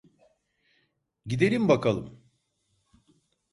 Gidelim bakalım.